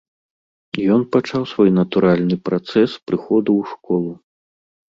Ён пачаў свой натуральны працэс прыходу ў школу.